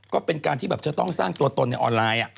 ก็เป็นการที่แบบจะต้องสร้างตัวตนในออนไลน์